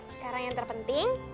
sekarang yang terpenting